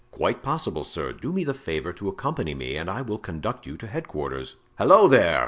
"Quite possible, sir; do me the favor to accompany me and I will conduct you to headquarters." "Halloo, there!"